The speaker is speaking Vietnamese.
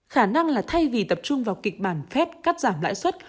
khả năng là thay vì tập trung vào kịch bản phép cắt giảm lãi suất